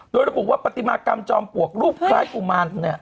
โดยระบุว่าปฏิมากรรมจอมปลวกรูปคล้ายกุมาร